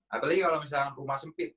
apalagi kalau misalkan rumah sempit